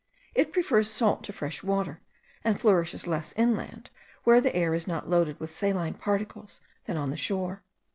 It prefers salt to fresh water; and flourishes less inland, where the air is not loaded with saline particles, than on the shore.